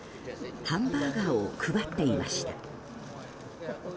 ハンバーガーを配っていました。